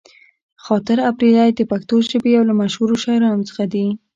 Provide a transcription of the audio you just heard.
خاطر اپريدی د پښتو ژبې يو له مشهورو شاعرانو څخه دې.